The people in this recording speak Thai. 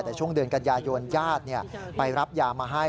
แต่ช่วงเดือนกันยายนญาติไปรับยามาให้